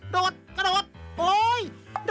โดดกระโดด